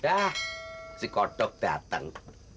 dah si kotok dateng